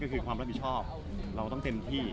ก็คือความรับผิดชอบเราต้องเต็มที่